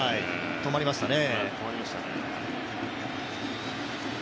止まりましたね。